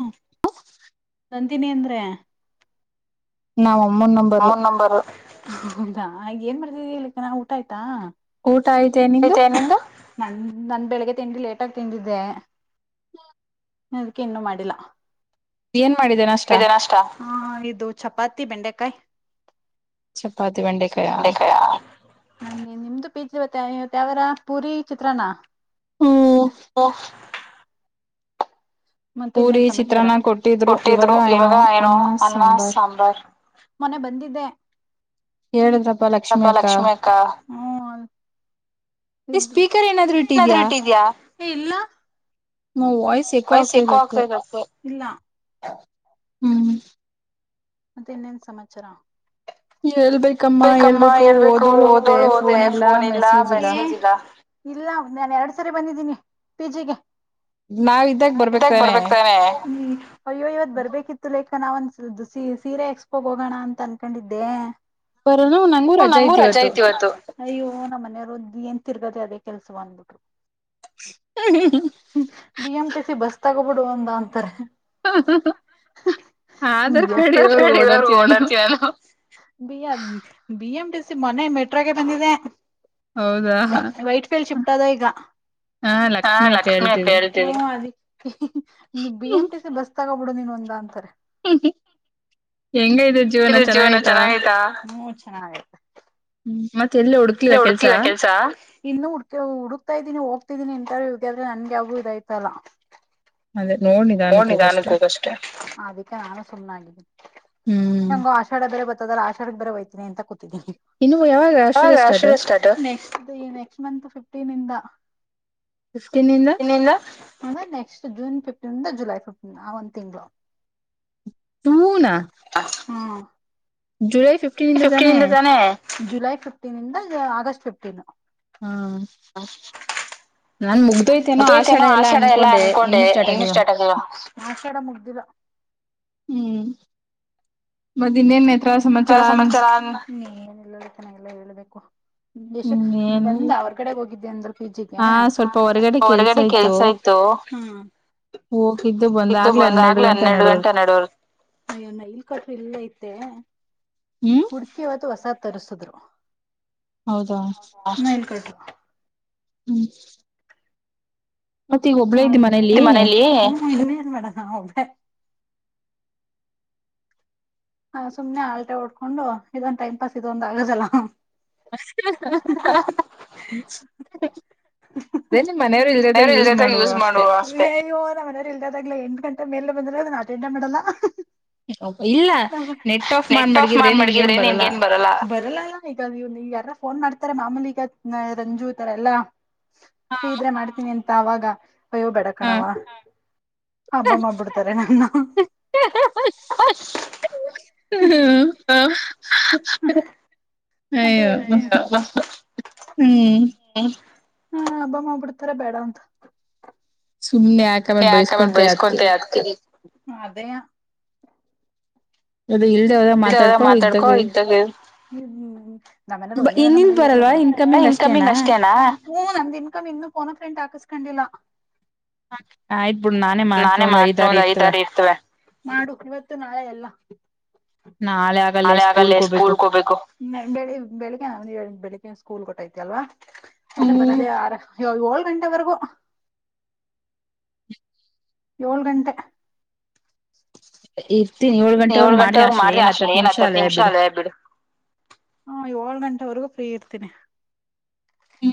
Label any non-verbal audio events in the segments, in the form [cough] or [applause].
ಹ ನಂದೀಿನಿ ಅಂದ್ರೆ ಏನ್ ಮಾಡ್ತಿದಿ ಇಕ್ಕೆ ನಾ ಊಟ ಆಯ್ತಾ ಊಟ ಆಯ್ತೇನೆ ನಿಂದು ನ ನನ್ ಬೆಳಿಗ್ಗೆ ತಿಂಡಿ ಲೇಟಾಗಿ ತಿಂದಿದ್ದೆ ಹ ದಕ್ಕೆ ಇನ್ನು ಮಾಡಿಲ್ಲ ಹಾ ಇದು ಚಪಾತಿ ಬೆಂಡೆಕಾಯಿ ಗೆ ನಿಮ್ದು ಬೀಜ ವ ಪುರಿ ಚತ್ರಣ ಮತ್ತೆ ಇನ್ನೇನ್ ಸಮಾಚಾರ ಕೊಟ್ಟಿದ್ರು ಇವಾಗ ಏನೋ ಅನ್ನ ಸಾಂಬಾರ್ ಮೊನೆ ಬಂದಿದ್ದೆಪ್ಪ ಲಕ್ಷ್ಮಿ ಅಕ್ಕ ಈ ಸ್ಪೀಕರ್ ಏನಾದ್ರರು ಇಟ್ಟಿದ್ಯಾ ನ ವಯಸ್ ಎು ಆಕರಿ ಜೆ ಹ್ಮ್ [inaudible] ಮತ್ತೆ ಇನ್ನೇನ್ ಸಮಾಚಾರ ಹೇಳ್ಬೇಕು ಬೇಕಮ್ಮ ಎಳ್ಬೇಕು ಹಓದೋಳು ಹೋದೆ ಫೋನ್ ಇಲ್ಲ ಮೆಸೇಜ್ ಇಲ್ಲ ಇಲ್ಲ ನಾನನ್ ಎರಡ್ ಸರಿ ಬಂದಿದ್ದೀನಿ ಪಿ ಜಿಗೆ ಹ ಇದಾಗ ಬರ್ಬೇಕಕ್ತಾನನೆ ಅಯ್ಯೋ ಇವತ್ ಬರ್ಬೇಕಿತ್ತು ಲೇಖ ನಾವ ಒಂದಸ ಸೀರೆ ಎಕ್ಸ್ಪೋಗ ಹೋಗೋಣ ಅಂತ ಅನ್ಕೊಂಡಿದ್ದೆ ಹ ನಂಗೂ ರಜಾ ಐತಿ ಇವತ್ತು ಅಯ್ಯ ನಮ್ಮ ಮನೆಯವರುದ ಎನತ ತಿರ್ಗದೆ ಅದೇ ಕೆಲ್ಸವ ಅಂದ್ಬಿಟ್ರು. ಹ B. M. T. C. Bus ತಗೋಬಿಡು ಒಂದ ಅಂತಾರ. ಗಡಿಲ್ಲರು ಓಡರ್ತನು ಬಿ ಎಂ ಟಿ ಸಿ ಮೊನೆ ಮೆಟ್ರೋಗೆ ಬಂದಿದೆ. ವೈಟ್ಫಲ್ ಶಿಫ್ಟ್ ಅದ ಈಗ ಅ B M T C bus ತಗೋಬಿಡು ನೀನ್ ಒಂದ ಅಂತಾರೆ ಹೆಂಗ ಜೀವನ ಚೆನ್ನಾಗೈತಾ ಹ್ಮ ಚೆನ್ನಾಗ ಹ್ಮ್ ಮತ್ತೆ ಎಲ್ಲಿ ಮತ್ತೆ ಎಲ್ಲ ಹುಡುಕ್ಲಿವ ಕೆಲ್ಸ ಇನ್ನು ಹುಕಿ ಹುಡ್ಕ್ತಾ ಇದೀನಿ ಹೋಗ್ತ ಇದೀನಿ ಇಂಟರ್ವ್ ಇದದೆ ಆದ್ರೆ ನನ್ಗೆ ಯ್ರು ಇದಾಯ್ತಲ್ಲ ಅದೇ ನೋಡಿ ನೋಡ್ ನಿಧಾನಕ್ಕೆ ಹೋಗಷ್ಟೆ ಅ ಅದಕ್ಕೆ ನಾನು ಸುಮ್ನಾಗಿದ್ದೀನಿ ನಂಗು ಆಷಾಢ ಬೇರೆ ಬತ್ತದ್ರೆ ಆಷಾಢಕ್ಕೆ ಬೇರೆ ಹಯ್ತನಿ ಅಂತ ಕೂತೀನಿ ನೆ ನೆಟ್ ಮತ್ ಫಿಫ್ಟೀನ್ ಹ ನೆಕ್ಸ್ಟ್ ಜೂನ್ ಫಿಫ್ಟೀನ್ಂದ ಜುಲೈ ಫಿಫ್ಟೀನ್ ಒಂದಂತ ಹನಾ [unintelligible] ಹ್ಮ್ ಜುಡಫ್ ಜುಲೈ ಫಿಫ್ಟೀನ್ ತಾನೆ ಜುಲೈ ಫಿಫ್ಟೀನ್ ಇಂದ ಆಗಸ್ಟ್ ಫಿಫ್ಟೀನ್ ಹ್ಮ್ ನಾನ್ ಮುಗ್ದೋಯ್ತೆನೋ ಆಷಾಡ ಎಲ್ಲ ಅನ್ಕೊಂಡೆ ಇನ್ನು ಸ್ಟಾರ್ಟ ಆಗ. ಆಷಾಡ ಮುಗದಿಲ್ಲ. ಹ್ಮ್ ಮತ್ತ ಇನ್ನೇನ ನೇತ್ರ ಸಮಾಚಾರ? ನೀ ಏನಿಲ್ಲರ ಚೆನ್ನಾಗ ಎಲ್ಲ ಹೇಳ್ಬೇಕು ಜಸ್ಟ್ ಬಂದ ಅವರ್ಗಡೆ ಹೋಗಿದ್ದೆ ಅಂದ್ರ ಪಜಿಗೆ ಹೊರ್ಗಡೆ ಕೆಲ್ಸ ಆ ಇದ್ದು ಬಂದಾಗಲೆ ಹನ್ನೆರಡು ಗಂಟೆ ನಡವರ್ ಅಯ್ಯ ನ ಇಲ್ ಕಟ್ಟ್ರರು ಇಲ್ಲ ಐತೆ ಈ ಹುಡ್ಕಿ ಹೊತ್ತು ಹೊಸಾದ್ ತರಿಸಸಿದ್ರು. ಹೌದಾ ಹ್ಮ್ [inaudible] ಐತಿ ಮನೇಲಿ [unintelligible] ಹಾ ಸುಮನೆ ಆಳ್ಟೆ ಹೊಡ್ಕೊಂಡು ಇದೊಂದು ಟೈಮ್ ಪಾಸ್ ಇದೊಂದ ಆಗದಲ್ಲ [inaudible] ಅಲ್ಲಿ ಮನೆಯವರು ಇಲ್ದದಾಗ ಯೂಸ ಮಾಡುವ ಅಷ್ಟೆ. ಅಯ್ಯೋ ನಮ್ಮ ಮನೆಯರು ಇಲ್ದಾಗ್ಲ ಎಂ ಗಂಟೆ ಮೇಲೆ ಬಂದ್ರೆದ ಅಟೆಂಡ ಮಾಡಲ್ಲ ನೆಟ್ ಆಫ್ ಮಾಡ ಮಡಗಿದ್ರೆ ನಿನ್ಗ ನ್ ಬರಲ್ಲ ಬ ಈಗವ ಈಗ ಯಾರ ಫೋನ ಮಾಡ್ತಾರೆ ಮಾಮೂಲಿ ಈಗ ರಂಜು ಈ ತರ ಎಲ್ಲಾ. ಹ ಇದ್ರೆ ಮಾಡ್ತೀನಿ ಅಂತ ಅವಾಗ. ಅಯ್ಯೋ ಬೆಡಕಣವಾ ಹಬ್ಬ ಮಾಡ್ಬಿಡ್ತಾರೆ ನನ್ನ. ಹ ಅಂತ ಹೇಳ್ತೀನಿ ಹಾ ಅಬ್ಬಮ್ಮ ಬಿಡ್ತಾರ ಬೇಡ ಅಂತ. ಯಾಕಮ್ಮ ಬೈಸ್ಕೊಂತ ಅ ಇಲ್ವದಾಗ ಮಾತಾಡ್ಕೋ ಇದ್ದಾಗ ಮ್ಮನಾರರು ಒಂದೇ ನನ್ನ ಮನಲಿ ಇರಲ್ಲ ಬಿಡ ಇನ್ಕಮಿಂಗ್ ಅಷ್ಟೇನಾ ಹ್ಮ್ ನಮ್ ಇನ್ಕಮ್ ಇನ್ನು ಕೋನ ಫ್ರೆಂಟ್ ಹಾಕಿಸಸ್ಕೊಂಡಿಲ್ಲ ಆಯ್ತು ನಾನೇ ಮಾಡ್ತನ ಒಂದ್ ಐದಾರಿ ಇರ್ತವೆ ಮಾಡು ಇವತ್ತು ನಾಳೆ ಎಲ್ಲ ನಾಳೆ ಆ ನಾಳೆ ಆಗಲ್ಲೇ ಸ್ಕೂಲ್ಗೆ ಹೋಗಬೇಕು ಬೆಿ ಬೆಳಿಗ್ ಬೆಳಿಗ್ಗೆ ಸ್ಕೂಲ್ ಗಟ್ಟೈತಿಲ್ವಾ ಅೆ ಬರದೆೇ ಆರ ಏಳ್ ಗಂಟೆವರೆಗೂ ಏಳ್ ಗಂಟೆ ಇರ್ತೀನಿ ಒಳಗ ಏಳು ಗಂಟೆವ್ರರು ಮಾಡ್ರಿ ಅಷ್ಟೇ ಏನ್ ಹತ್ತು ನಿಮಿಷ ಅಲ್ವೇ ಬಿಡು ಹಾ ಏಳ್ ಗಂಟೆವರೆಗೂ ಫ್ರೀ ಇರ್ತೀನಿ ಹ್ಞ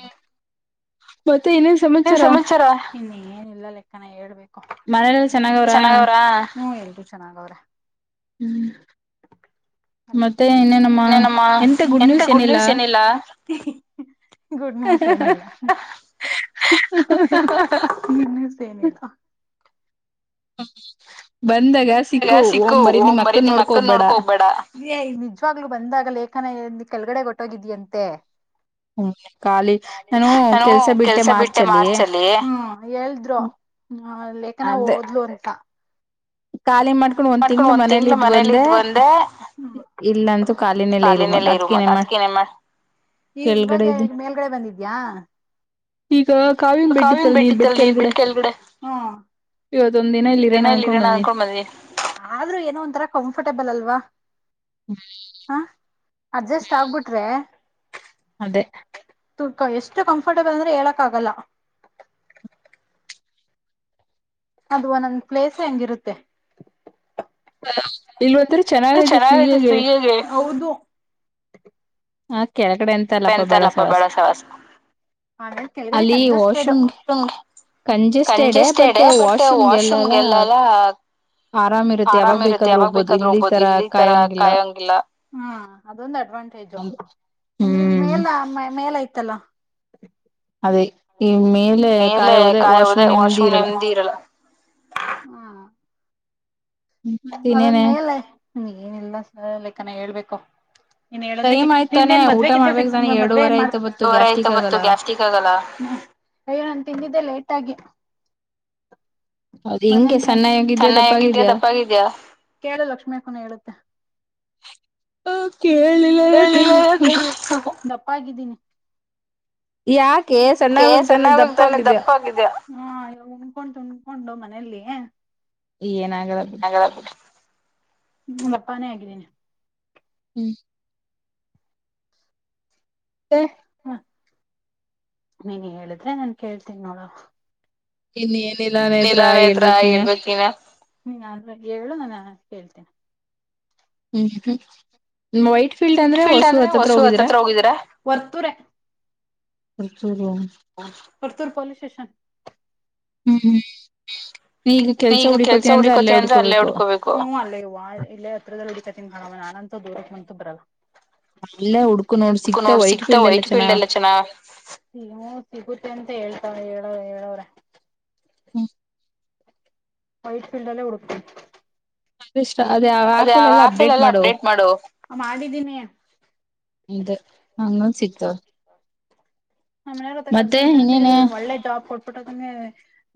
ಮತ್ತೆ ನೇನ್ ಸಮಸ ಸಮಚಾರ ನೀನ್ನಏ ಇಲ್ಲ ಲೆಕ್ಕನ ಹೇಬೇಕು ಚೆನ್ನಾಗ ಅವ್ರ ನೀ ಹೇು ಚೆನ್ನಾಗವ್ರ ಹ್ಮ್ ನಮ್ಮ ಎಂತ ಗಡ್ ನ್ಯೂಸ್ ಏನಿಲ್ಲ ಗುಡ್ ನ್ಯೂಸ್ ಏನ ಇಿಲ್ಲ ನಿನ್ನಸ ಏನಿಲ್ಲ ಬಂದಾಗ ಗ ಸಿಕ್ಕು ಒಓ್ ಬರಿೀ ನಿಮ್ ಅಕ್ಕ ನೋಡ್ಕೊ್ಬೇಡ ನಿಜವಾಗ್ಲಲುೂ ಬಂದಾಗ ಲೇಖನ ಕೆಳಗಡೆ ಗಟ್ಟೋಗಿದೀಂತೆ ನಾನು ಕೆಲ್ಸ ಬಿಟ್ಟೆ ಮಾರ್ಚ ಅಲ್ಲಿ ಹೇಳಿದ್ರು ಹ ಲೇಖನ ಓದ್ಲುಟಾ ರಿ ಮಾಡ್ಕೊಂಡ್ ಒಂದ್ ತಿಂಗ್ಳ ಮನೇಲಿ ಇದ್ ಒಂದೆ ಕಾಲೆ ಲೈರರು ಮ ಆತ್ಕ ನ ಮಾಡ ಈ ಇವಾಗ ಮೇಲ್ಗಡೆ ಬಂದಿದ್ಯಾ ಕಾವಿನ ಬಿಟ್ಟಿತ್ತಲ್ ನೀನ್ ಬೆಟ್ಕ ಎಲ್ಗಡೆ ಹ್ಮ ಇವದೊಂದ. ದಿನ ಇಲ್ಲಿ ಇರೋಣ ಅನ್ಕೊಂಡ ಬಂದಿದೀನಿ ಆದ್ರೂ ಏನೋ ಒಂಥರ ಕಂಫರ್ಟೇಬಲ್ ಅಲ್ವಾ. ಹ. [unintelligible] ಅಡ್ಜಸ್ಟ್ ಆಗ್ಬಿಟ್ರೆ. ಅದೇ. ತೂಕ ಎಷ್ಟು ಕಂಫರ್ಟಬಲ್ ಅಂದ್ರೆ ಹೇಳಕ್ ಆಗಲ್ಲ. ಅದು ಒಂದೊಂದ ಪ್ಲೇಸ್ ಹೆಂಗಿರುತ್ತೆ. ಚೆನ್ನಾಗೈತೆ ಫ್ರೀ ಆಗಿ ಹೌದು. ಹ ಕೆಳಗಡೆ ಎಂತ. ಬೆಂತಲ್ಲಪ್ಪ ಬೆಲೆಸವಾಸ ಆಮೇಲೆ ಕೆಳಗಡೆ ಕನ್ಜಸ್ಟೆಡ್. Congested but ವಾಶರೂಮ್ಗೆಲ್ಲಲ್ಲ. ಆರಾಮ ಇರುತ್ತೆ ಯಾವಾಗ ಬೇಕಾದ್ರೂ ಹೋಗ್ಬೋದು ಇಲ್ಲಿ ತರ ಕಾಯಂಗಿಲ್ಲ. ಹಾ ಅದೊಂದು ಅಡ್ವಾಂಟೇಜು ಅಂದ್ರೆ ಇಲ್ಲಿ ಮೇಲ ಮೇಲ ಐತಲ್ಲ. ಅದೇ ಈ ಮೇಲೆ ಕಾಯಿ ಹೋದೆ ವಾಶ್ರೂಮ್ ನೆಮದಿ ಇರಲ್ಲ. ಇರಲ್ಲ. ಹ್ಮ. ಅದಂದ್ ಮೇಲೆ ನಿಮಗ ಏನಿಲ್ಲ ಸ ಕನೈ ಹೇಳ್ಬೇಕು. ನೀನ್ ಹೇಳೋದ್ರಿಕೆ ನಿಮ್ದ ಏನ್ ಮದ್ವೆ ಗಿದ್ವೆ ಫಿಕ್ಸ್ ಮದ್ವೆ ಏನ್ ಮಾಡತ ನೂರ್ ಎಂಟು ಒಬ್ಬತ್ತು ಗೆಸ್ಟಿಕ್ ಲ್ಲ ನಾನು ತಿಂದಿದ್ದೆ ಲೇಟ್ ಆಗಿ ಮಟ್ ಚೆನ್ನಿದ ದಪ್ಪ ಕೇಳ ಲಕ್ಷ್ಮೀಕನ ಹೇಳುತ್ತೆ ಹೇಳಿ ಸ್ವಲ್ಪ ದಪ್ಪಾಗಿದ್ದೀನಿ ಯಾಕೆ ಸಣ್ಣಾಗ ತಾನೆ ದಪ್ಪ ಆಾಗಿದ ಹ ಇವ ಉಣಕೊಂಡು ಉಣ್ಕೊಂಡು ಮನೆಯಲ್ಲಿ ಏನಾಗದ ಹ ಹ್ಮ್ಪ್ಪಾನೆ ಆಗಿದ್ದೀನಿ ಹ್ಮ್ ಹ ಹ್ಮ ನೀನ್ ಹೇಳಿದ್ರೆ ನಾನ್ ಕೇಳ್ತೀನಿ ನೋಡ ಇನ್ನು ಏನಿಲ್ಲ ನಿಲಾನ ಹತ್ರ ಹೇಳ್ಬೇಕಿನ ನ ಹೇಳು ನಾನು ಕೇಳ್ತೇನೆ ಹ್ಮ್ ಹ್ಮ್ ನಿಮ್ಮ ವೈಟ್ ಫೀಲ್ಡ್ ಅಂದ್ರೆ ಹೊಸು ಹತ್ತತ್ರ ಹೋಗಿದಿರ. ಸರ್ಚರಿ. ಕರ್ತೂರ ಪೊಲೀಸ್ ಸ್ಟೇಷನ್. ಹ್ಮ್ ನೀ ಈಗ ಕೆಲ್ಸ ಹುಡ್ಕೋತೀ ಅಂದ್ರೆ ಅಲ್ಲೇ ಹುಡ್ಕೋಬೇಕು. ಹ ಅಲ್ಲೇ ಇವ ಇಲ್ಲೇ ಹತ್ರದಲ್ಲಿ ಉಡಿತಾತನ್ ಕಾಣವ ನಾನನ್ಂತ ದೂರ ಅಂತು ಬರಲ್ಲ. ಅಕು ನೋಡ್ ಸಿಗ್ತಾ ವೈಟ್ ಫೀಲ್ಡ್ ಎಲ್ಲ ಚೆನ್ನಗಿ ನೀ ಸಿಗುತ್ತೆ ಅಂತ ಹೇಳ್ತವ್ರ ಹೇಳೋ ಹೇಳವ್ರ ಹ್ಮ ವೈಟ್ಫೀಲ್ಡ ಅಲ್ಲ ಡುತ್ತತ ಷ್ಟ ಅದೇ ಆಫ ಎಲ್ಲ ಅಪ್ಡೇಟ್ ಮಾಡು ಇದ ಹಂಗೊಂದ್ ಸಿಗ್ತವ ನಮ್ಮ್ ಕನ್ಸಲ್ಟೆನ್ಸಿ ಒಳ್ಳೆ ಜಾಬ್ ಕೊ ಟ್ಟೆ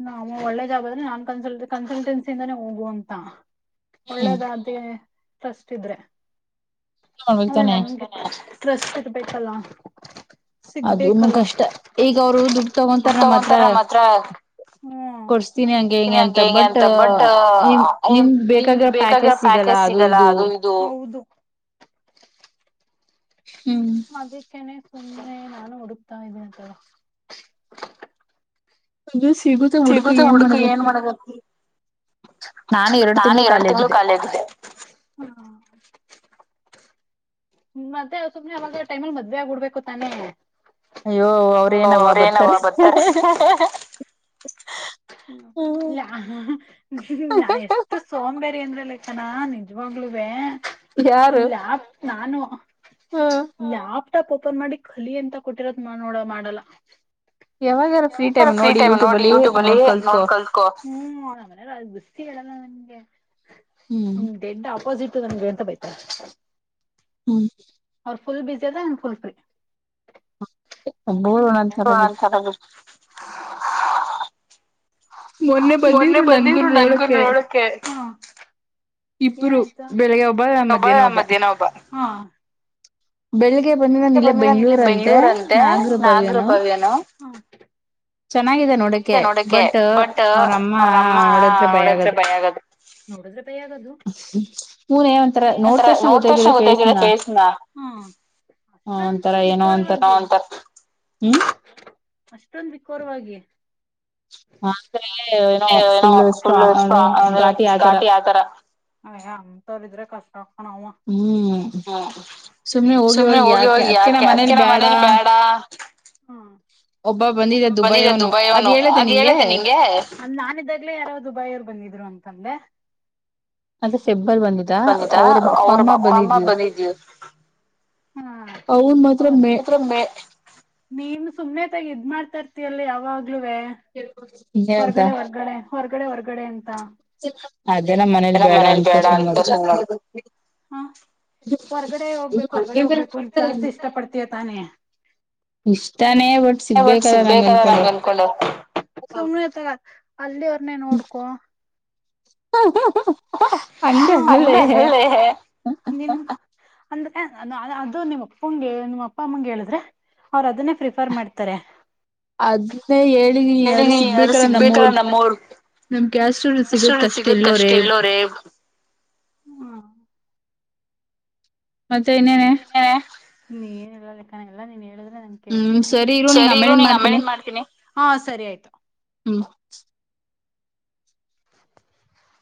ನಾವು ಒಳ್ಳೆ ಜಾಬ್ ಆದ್ರೆ ನಾನ್ ಕನ್ಸಲ್ ಕನ್ಸಲ್ಟೆನ್ಸಿಯಿಂದಾನೆ ಹೋಗುವ ಅಂತ ಒಳ್ಳೇದಾದೇ ಟ್ರಸ್ಟ್ ಇದ್ರೆ ಅಲ್ಲ ನಗೆ ಡ್ರೆಸ್ ಸಿರ್ಬೇಕಲ್ಲ ಸಿಗ್ಬೇಕು ಇ ಕಷ್ಟ ಈಗ ಅವ್ರು ದುಡ್ಡು ತಗೊಂತಾರ ನಮ್ಮತ್ರ ಹ್ಮ್ ಹತನಿ ಹಂ ಹೆಂಗೆ ಅಂತ ಬಟ್ ನಿನ್ ಬೇಕಾಗಿರೋ ಪ್ಯಾಕೇಜ್ ಸಿಗಲ್ಲ ಅದು ಹೌದು ಹ್ಮ್ ಅದಕ್ಕೇನೆ ಸುಮ್ನೆ ನಾನು ಹಡುಕ್ತಾ ಇದ್ದೀನಿಂತ ಅದು ಸಿಗುತ್ತೆ ಹುಡ್ಕ ಏನ್ ಮಾಡದ ನಾನು ಎರಡು ತಿಂಗಳು ಖಾಲಿ ಆಗಿದ್ದೆ ಮತ್ತೆ ಸುಮ್ನೆ ಮದುವೆ ಸುಮ್ಮನೆ ಅವಾಗ ಟೈಮಲ್ ಮದ್ವೆ ಆಗುಡ್ಬೇಕು ತಾನೇ ಯೋ ಅವ್ರೇನವ ಬರ್ತಾರೆ ನಾ ಎಷ್ಟು ಸೋಂಬೇರಿ ಅಂದ್ರ ಲೆಕ್ಕನ ನಿಜವಾಗ್ಲುವೇ ಇಲ್ಲ ನಾನು ಲ್ಯಾಪ ಪ್ ಓಪನ್ ಮಾಡಿ ಖಲಿ ಎಂತ ಕೊಟ್ಟಿರೋದ ನೋಡ ಮಾಡಲ್ಲ ಯಾವಥರ ಫ್ರೀ ಟೈಮ್ ನೋಡಿ ಯೂಟ್ಯೂಬ್ ಅಲ್ಲಿ ನೋಡ್ಕಲ್ ಹ್ಮ [unintelligible] ಬಸ್ ಹೇಳಲ್ಲ ನಂಗೆ ಹ್ಮ್ ದಡ್ಡ ಅಪೋಸಿಟ್ ನಂಗೆ ಅಂತ ಬೈತಾ ಹೌ ಅವರುಫಲ್ ಭ ಬಿಜೆಫಲ್ ಬರು ಒನ ಸಲ್ಲ ಮೊನ್ನೆ ಬಂದಿದ್ರು ನನ್ಗೂ ನೋಡಕ್ಕೆೆ ಏನಾಯ್ತು ಒಬ್ಬ ಮಧ್ಯಾಹ್ನ ಒಬ್ಬ ಬೆಳಿಗ್ಗೆ ಬಂದ ನನ್ ಇಲ್ಲೇ ಬೆಂಗ್ಳೂರ್ ಅಂತೆ ನಾಗರೂ ಭವ್ಯನು ಏನು ಚೆನ್ನಾಗಿದೆ ನೋಡಕೆ ಬಟ್ ಅವ್ರಮ್ಮ ನೋಡಿದ್ರೆ ಭಯ ಆಗದು ನೋಡದ್ರೂಬಯ ಯಾವಗದು ನೋಡಿದ್ ತಕ್ಷಣ ಗೊತ್ತಾಗುತ್ತೆ ಫೇಸ್ ನ ಅಷ್ಟೊಂದು ವಿಕೋರವ ಅಷ್ಟೊಂದು ವಿಕೋರವಾಗಿ ಏನೋ ಫುಲ್ ಇಷ್ಟೇ ಘಾಟಿ ಆತರ ಅಯ ಅಂತವರಿದ್ರೆ ಕಷ್ಟ ಆಕಣವ ಸುಮ್ನೆ ಹೋಗಿ ಹೋಗಿ ಯಾಕೆ ಅದಕ್ಕೆ ನ ಮನೇಲಿ ಬ್ಯಾಡ ಹ್ಮ ಒಬ್ಬ ಬನ್ನಿ ಬಂದಿದೆ ದುಬೈವನು ಅದ್ ಹೇಳಿದೆ ನಿಂಗೆ ಅಂದ್ ನಾನಿದ್ದಾಗಲೇ ಯಾರೋ ದುಬಾಯಿಯವರ್ ಬಂದಿದ್ರು ಅಂತಂದೆ ಅಂದ ಸೆಬ್ಬರ್ ಬಂದಿದ ಅವ್ರ ಅಪ್ಪ ಅಮ್ಮ ಬಂದಿದೀ ಅವುನ್ ಮಾತ್ರ ಮೆ ನೀನ್ ಸುಮ್ಮ್ನೆತಾಗ ಇದ್ ಮಾಡ್ತಾ ಇರ್ತಯಲ್ಲಿ ಯಾವಾಗ್ಲೂುವೇ ಬಲ್ಕು ಹೊರಗಡೆ ಹೊರ್ಗಡೆ ಹೊರಗಡೆ ಹೊರ್ಗಡೆ ಎಂತ ಅದೇ ನ ಮನೇಲಿ ಬೇಡ ಅಂತ ನೋ ಹಾ ಹೊರ್ಗಡೆ ಹೋಗ್ಬೇಕು ಹೊರ್ಗಡೆ ಹೋಗ್ಬೇಕು ಅಂತ ಜಾಸ್ತಿ ಇಷ್ಟ ಪಡ್ತೀಯ ತಾನೇ ಇಷ್ಟಾನೇ ಬಟ್ ಸಿಗ್ಬೇಕಲ್ಲ ನಮ್ಗೆ ಅನ್ಕೊಂಡ ಸುಮ್ನೆತಲ ಅಲ್ಲಿವರ್ನೆೇ ನೋಡ್ಕೊ ಹಾ ಹಾ ಹಾ ಹಂಗಲ್ಲೇ ಅಂದ ಅದು ನಿಮ್ಮ ಅಪ್ಪಗೆ ನಿಮ್ಮ ಅಪ್ಪ ಅಮ್ಮಂಗಗೆ ಹೇಳಿದ್ರೆ ಅವ್ರ ಅದನ್ನೇ ಪ್ರಿಫರ್ ಮಾಡ್ತಾರೆ ಅದನ್ನೇ ಹೇಳಿ ಯಾರು ಸಿಗ್ಬೇಕಲ್ಲ ನಮ್ಮವರ್ ನಮ್ ಕ್ಯಾಸ್ಟರ್ ಸಿಗದ ಕಷ್ಟ ಆಗತ್ ಅಷ್ಟ ಎಲ್ಲೋರೆ ಮತ್ತೆನ ಮತ್ತೆ ನೀ ನ್ಲ್ಲ ಲಕ್ಕನ ಎಲ್ಲ ನೀನ್ ಹೇಳಿದ್ರೆ ನನ್ ಸರಿ ಇರು ನಿ್ ಆಮೇಲೆ ಏನ್ ಮಾಡ್ತೀನಿ ಹಾ ಸರಿ ಆಯ್ತು ಹ್ಮ್